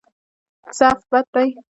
ضعف بد دی.